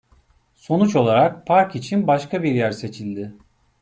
Sonuç olarak, park için başka bir yer seçildi.